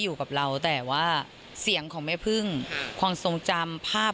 อยู่กับเราแต่ว่าเสียงของแม่พึ่งความทรงจำภาพ